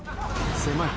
狭い！